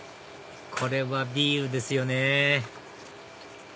これはビールですよね